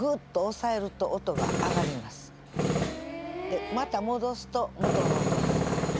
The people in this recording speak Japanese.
でまたもどすと元の音になる。